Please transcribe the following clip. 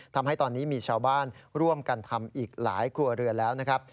ทำให้ตอนนี้มีชาวบ้านร่วมกันทำอีกหลายครัวเรือนแล้วนะครับ